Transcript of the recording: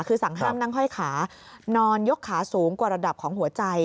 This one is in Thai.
คือสั่งห้ามนั่งห้อยขานอนยกขาสูงกว่าระดับของหัวใจ